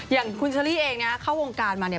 อย่างคุณเชอรี่เองนะเข้าวงการมาเนี่ย